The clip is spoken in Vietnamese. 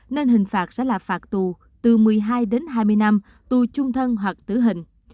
nên hình phạt sẽ là phạt tù từ một mươi hai đến hai mươi năm tù trung thân hoặc tử hình